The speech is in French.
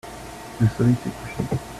Le soleil s'est couché.